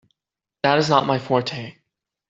That is not my forte.